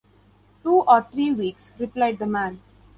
‘Two or three weeks,’ replied the man.